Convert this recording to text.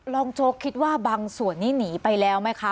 โจ๊กคิดว่าบางส่วนนี้หนีไปแล้วไหมคะ